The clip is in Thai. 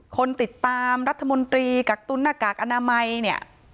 คนติดตามรัฐมนตรีกักตุ้นหน้ากากอนามัยเนี่ย